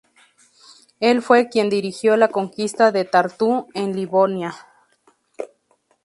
Él fue quien dirigió la conquista de Tartu en Livonia.